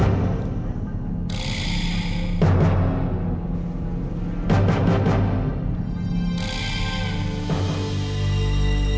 aku tidak akan pernah maafin kamu lagi